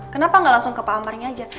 kenapa nggak langsung ke pak amarnya aja